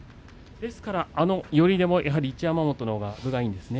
ですから、あの寄りでも一山本の体が出ていくんですね。